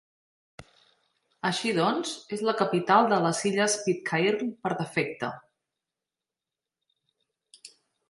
Així doncs, és la capital de les Illes Pitcairn per defecte.